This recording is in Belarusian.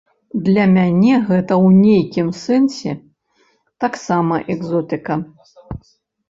Для мяне гэта ў нейкім сэнсе таксама экзотыка.